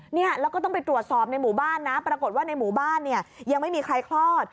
เนี่ยแล้วก็ต้องไปตรวจสอบในหมู่บ้านนะปรากฏว่าในหมู่บ้านเนี่ยยังไม่มีใครคลอด